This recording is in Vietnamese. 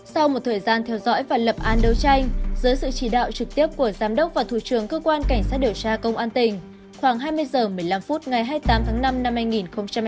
sau một thời gian theo dõi và lập án đấu tranh giữa sự chỉ đạo trực tiếp của giám đốc và thủ trưởng cơ quan cảnh sát điều tra công an tỉnh khoảng hai mươi h một mươi năm phút ngày hai mươi tám tháng năm năm hai nghìn hai mươi ba